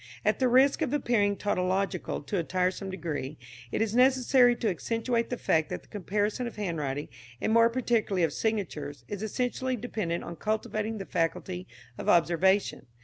At the risk of appearing tautological to a tiresome degree it is necessary to accentuate the fact that the comparison of handwriting, and more particularly of signatures, is essentially dependent on cultivating the faculty of observation.